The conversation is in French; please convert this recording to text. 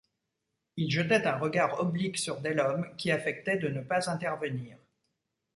Il jetait un regard oblique sur Delhomme, qui affectait de ne pas intervenir.